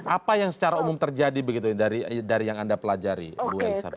apa yang secara umum terjadi begitu dari yang anda pelajari bu elsa